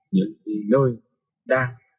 những nơi đang